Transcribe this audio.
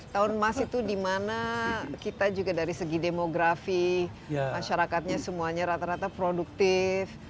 tahun emas itu dimana kita juga dari segi demografi masyarakatnya semuanya rata rata produktif